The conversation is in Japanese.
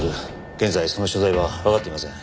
現在その所在はわかっていません。